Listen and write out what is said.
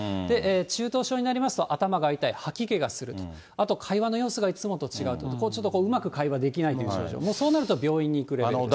中等症になりますと、頭が痛い、吐き気がする、あと、会話の様子がいつもと違う、ちょっとうまく会話ができないという症状、そうなると病院に行くレベルです。